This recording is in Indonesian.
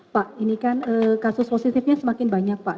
pak ini kan kasus positifnya semakin banyak pak